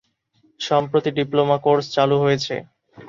সম্পত্তি diploma course চালু হয়েছে।